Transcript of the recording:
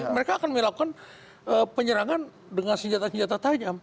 mereka akan melakukan penyerangan dengan senjata senjata tajam